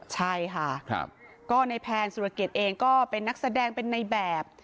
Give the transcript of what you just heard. ใช่ค่ะก็ในแพนสุรเกียจเองก็เป็นนักแสดงเป็นในแบบ